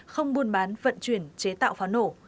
không buôn bán vận chuyển chế tạo pháo nổ